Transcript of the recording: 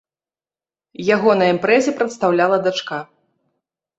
Яго на імпрэзе прадстаўляла дачка.